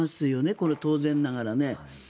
これ、当然ながらね。